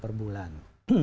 nah ini bagaimana